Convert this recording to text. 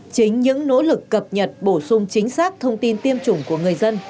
chính những nỗ lực cập nhật bổ sung chính xác thông tin tiêm chủng của người dân